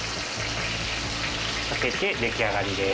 かけてできあがりです。